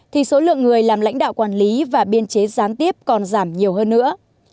thì số lượng người làm lãnh đạo quản lý và biên chế gián tiếp còn giảm nhiều hơn nữa